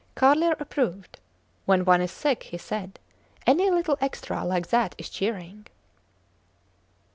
Carlier approved. When one is sick, he said, any little extra like that is cheering.